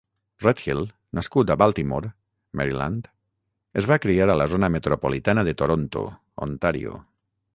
Redhill, nascut a Baltimore, Maryland, es va criar a la zona metropolitana de Toronto, Ontario.